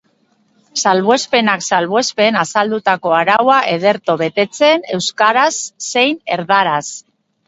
Salbuespenak salbuespen, azaldutako araua ederto betetzen euskaraz zein erdaraz.